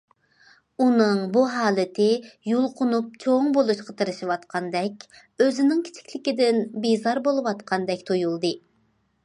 ئۇنىڭ بۇ ھالىتى يۇلقۇنۇپ چوڭ بولۇشقا تىرىشىۋاتقاندەك، ئۆزىنىڭ كىچىكلىكىدىن بىزار بولۇۋاتقاندەك تۇيۇلدى.